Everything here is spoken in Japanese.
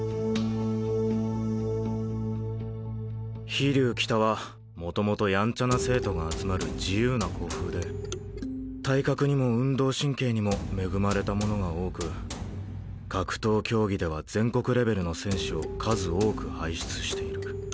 飛竜北は元々ヤンチャな生徒が集まる自由な校風で体格にも運動神経にも恵まれた者が多く格闘競技では全国レベルの選手を数多く輩出している。